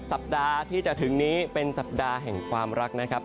สัปดาห์ที่จะถึงนี้เป็นสัปดาห์แห่งความรักนะครับ